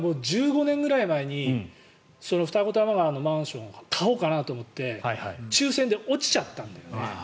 １５年ぐらい前に二子玉川のマンションを買おうかなと思って抽選で落ちちゃったんだよね。